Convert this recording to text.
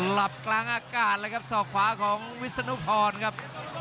หลับกลางอากาศเลยครับศอกขวาของวิศนุพรครับ